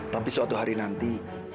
tapi suatu hari nanti